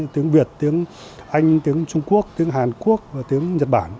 tiếng việt tiếng anh tiếng trung quốc tiếng hàn quốc và tiếng nhật bản